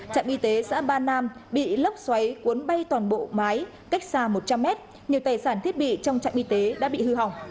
trạm y tế xã ba nam bị lốc xoáy cuốn bay toàn bộ mái cách xa một trăm linh mét nhiều tài sản thiết bị trong trạm y tế đã bị hư hỏng